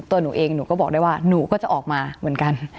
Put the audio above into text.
ตัวหนูเองหนูก็บอกได้ว่าหนูก็จะออกมาเหมือนกัน